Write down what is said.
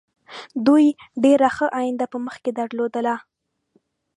دوی ډېره ښه آینده په مخکې درلودله.